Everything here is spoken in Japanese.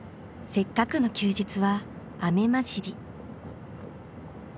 せっかくの休日は雨交じり。